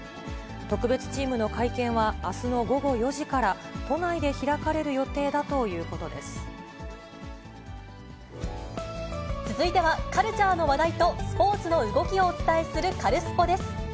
特別チームの会見はあすの午後４時から、都内で開かれる予定だと続いてはカルチャーの話題とスポーツの動きをお伝えするカルスポっ！です。